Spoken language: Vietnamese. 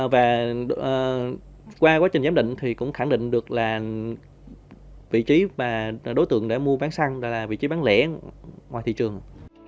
và qua quá trình giám định thì cũng khẳng định được là vị trí và đối tượng để mua bán xăng là vị trí bán lẻ ngoài thị trường